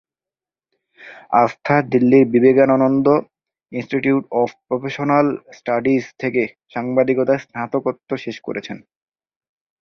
আস্থা দিল্লির Vivekananda institute of professional studies থেকে সাংবাদিকতায় স্নাতকোত্তর শেষ করেছেন।